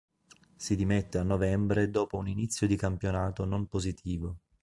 Si dimette a novembre dopo un inizio di campionato non positivo.